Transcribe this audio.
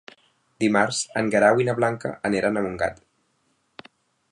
Dimarts en Guerau i na Blanca aniran a Montgat.